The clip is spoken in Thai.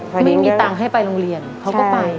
ไม่มีตังค์ให้ไปโรงเรียนเขาก็ไป